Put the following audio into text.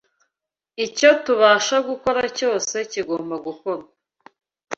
Icyo tubasha gukora cyose kigomba gukorwa